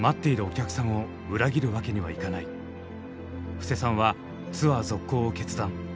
布施さんはツアー続行を決断。